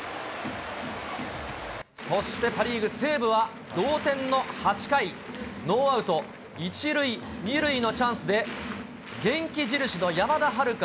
そしてパ・リーグ・西武は同点の８回、ノーアウト１塁２塁のチャンスで、元気印の山田はるか。